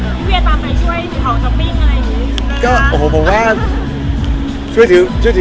พี่เวียตามไปช่วยของซับปิ๊กอะไรอยู่